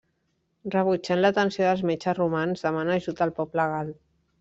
Rebutjant l'atenció dels metges romans, demana ajut al poblet gal.